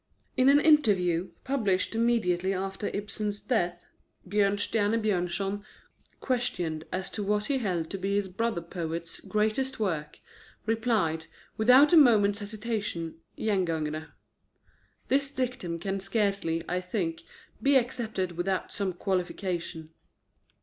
In an interview, published immediately after Ibsen's death, Björnstjerne Björnson, questioned as to what he held to be his brother poet's greatest work, replied, without a moment's hesitation, Gengangere. This dictum can scarcely, I think, be accepted without some qualification.